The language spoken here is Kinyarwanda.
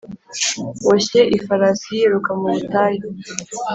boshye ifarasi yiruka mu butayu?